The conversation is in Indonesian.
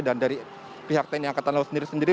dan dari pihak tni angkatan laut sendiri